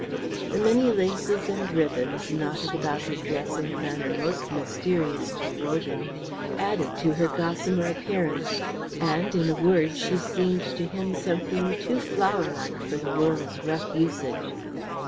The many laces and ribbons, knotted about her dress in a manner most mysterious to Wogan, added to her gossamer appearance; and, in a word, she seemed to him something too flowerlike for the world's rough usage.